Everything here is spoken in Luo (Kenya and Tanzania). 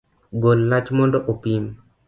Gol lach mondo opim